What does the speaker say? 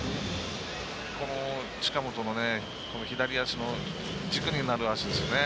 近本の左足の軸になる足ですよね。